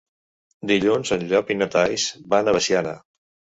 Dilluns en Llop i na Thaís van a Veciana.